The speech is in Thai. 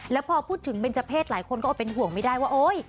แล้วพอพูดถึงเบนเจอร์เพศหลายคนก็อดเป็นห่วงไม่ได้ว่าโอ๊ย